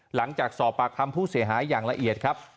หลังจากสอบปากคำผู้เสียหายอย่างละเอียดครับ